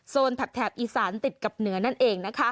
โซนถัดแถบอีสานติดกับเนื้อนั่นเอง